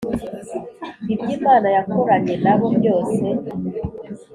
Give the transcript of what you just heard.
Ibyo imana yakoranye na bo byose